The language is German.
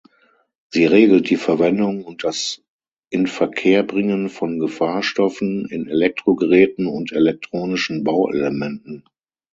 Sie regelt die Verwendung und das Inverkehrbringen von Gefahrstoffen in Elektrogeräten und elektronischen Bauelementen.